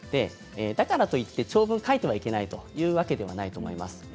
だからといって、長文を書いてはいけないということでもないと思います。